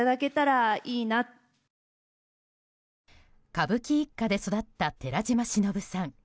歌舞伎一家で育った寺島しのぶさん